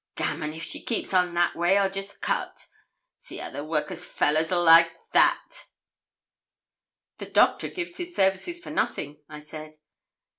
Gammon! If she keeps on that way I'll just cut. See how the workus fellahs 'ill like that!' 'The Doctor gives his services for nothing,' I said.